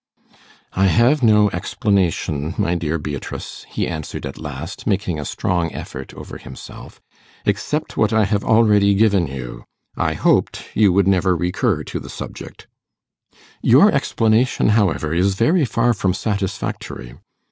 'I have no explanation, my dear Beatrice,' he answered at last, making a strong effort over himself, 'except what I have already given you. I hoped you would never recur to the subject.' 'Your explanation, however, is very far from satisfactory.